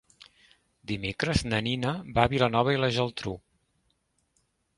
Dimecres na Nina va a Vilanova i la Geltrú.